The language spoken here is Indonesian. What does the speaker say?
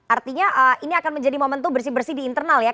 artinya ini akan menjadi momentum bersih bersih di internal ya